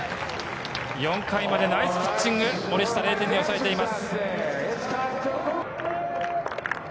４回までナイスピッチング、森下、０点に抑えています。